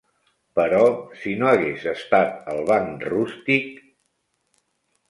Però si no hagués estat el banc rústic...